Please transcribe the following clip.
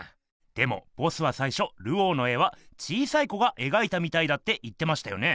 でもボスはさいしょルオーの絵は小さい子がえがいたみたいだって言ってましたよね？